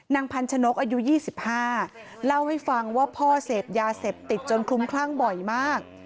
พันธนกอายุ๒๕เล่าให้ฟังว่าพ่อเสพยาเสพติดจนคลุมคลั่งบ่อยมาก